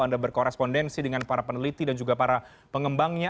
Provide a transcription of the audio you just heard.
anda berkorespondensi dengan para peneliti dan juga para pengembangnya